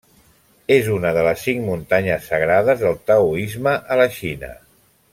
És una de les cinc muntanyes sagrades del taoisme a la Xina.